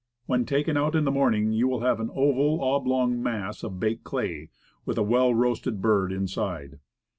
When taken out in the morning you will have an oval, oblong mass of baked clay, with a well* roasted bird inside.